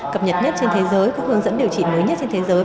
cập nhật nhất trên thế giới các hướng dẫn điều trị mới nhất trên thế giới